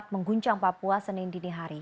mengguncang papua senin dinihari